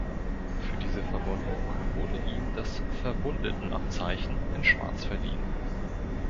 Für diese Verwundung wurde ihm das Verwundetenabzeichen in Schwarz verliehen.